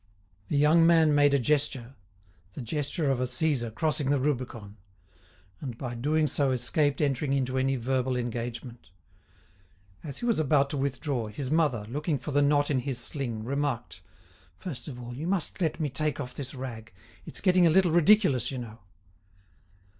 The young man made a gesture—the gesture of a Caesar crossing the Rubicon—and by doing so escaped entering into any verbal engagement. As he was about to withdraw, his mother, looking for the knot in his sling, remarked: "First of all, you must let me take off this rag. It's getting a little ridiculous, you know!"